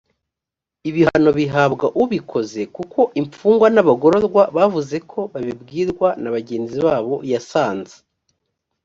ibihano bihabwa ubikoze kuko imfungwa n abagororwa bavuze ko babibwirwa na bagenzi babo yasanze